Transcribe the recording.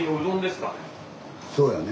そうやね。